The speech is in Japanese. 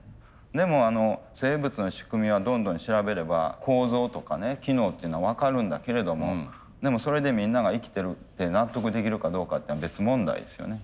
でも生物の仕組みはどんどん調べれば構造とかね機能っていうのは分かるんだけれどもでもそれでみんなが生きてるって納得できるかどうかっていうのは別問題ですよね。